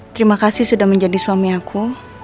terima kasih sudah menjadi suami aku